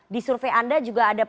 disurvey anda juga ada